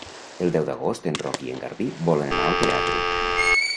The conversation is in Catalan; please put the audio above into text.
El deu d'agost en Roc i en Garbí volen anar al teatre.